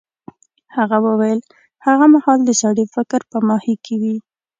هغه وویل هغه مهال د سړي فکر په ماهي کې وي.